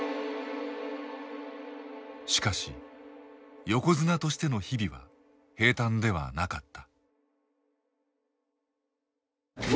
しかし横綱としての日々は平たんではなかった。